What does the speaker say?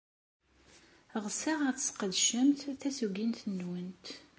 Ɣseɣ ad tesqedcemt tasugint-nwent.